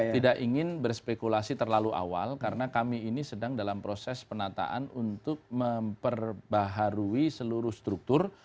tidak ingin berspekulasi terlalu awal karena kami ini sedang dalam proses penataan untuk memperbaharui seluruh struktur